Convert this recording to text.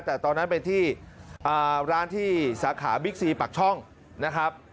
แต่ตอนนั้นไปที่ร้านที่สาขาบิ๊กซีปากช่องนะครับ